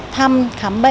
thăm khám bệnh